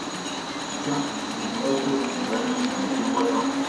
Tiens ! c’est Jurançon, mon ami, mon vieux voisin…